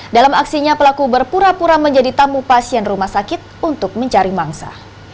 dalam aksinya pelaku berpura pura menjadi tamu pasien rumah sakit untuk mencari mangsa